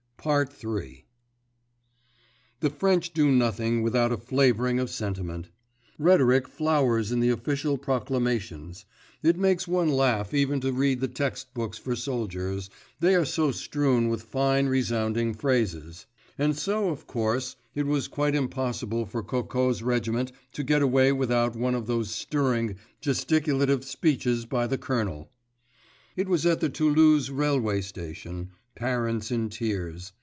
III The French do nothing without a flavoring of sentiment. Rhetoric flowers in the official proclamations; it makes one laugh even to read the textbooks for soldiers, they are so strewn with fine, resounding phrases; and so, of course, it was quite impossible for Coco's regiment to get away without one of those stirring, gesticulative speeches by the colonel. It was at the Toulouse railway station—parents in tears.